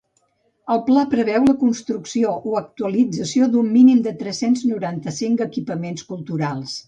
El pla preveu la construcció o actualització d'un mínim de tres-cents noranta-cinc equipaments culturals.